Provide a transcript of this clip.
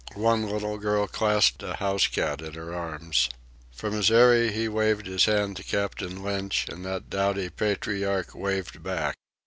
One little girl clasped a housecat in her arms. From his eyrie he waved his hand to Captain Lynch, and that doughty patriarch waved back.